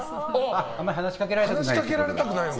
あんまり話しかけられたくないと。